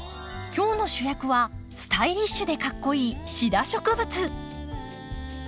今日の主役はスタイリッシュでかっこいいシダ植物。